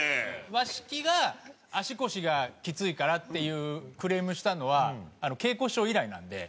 和式が足腰がきついからっていうクレームしたのは桂子師匠以来なんで。